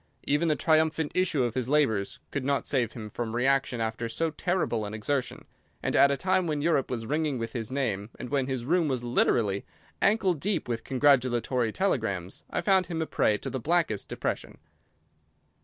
Even the triumphant issue of his labours could not save him from reaction after so terrible an exertion, and at a time when Europe was ringing with his name and when his room was literally ankle deep with congratulatory telegrams I found him a prey to the blackest depression.